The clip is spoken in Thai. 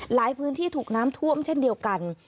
หลายพื้นที่ถูกน้ำท่วมเช่นเดียวกัน